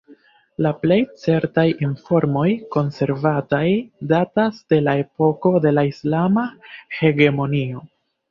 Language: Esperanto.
La plej certaj informoj konservataj datas de la epoko de la islama hegemonio.